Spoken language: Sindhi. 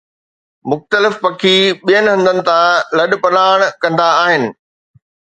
مختلف پکي ٻين هنڌن تان لڏپلاڻ ڪندا آهن